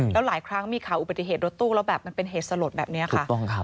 แล้วหลายครั้งมีข่าวอุบัติเหตุรถตู้แล้วแบบมันเป็นเหตุสลดแบบนี้ค่ะ